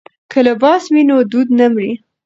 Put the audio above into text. که لباس وي نو دود نه مري.